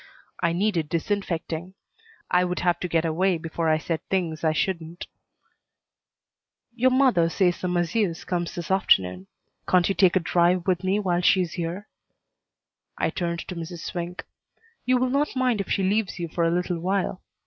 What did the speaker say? I needed disinfecting. I would have to get away before I said things I shouldn't. "Your mother says the masseuse comes this afternoon. Can't you take a drive with me while she is here?" I turned to Mrs. Swink. "You will not mind if she leaves you for a little while?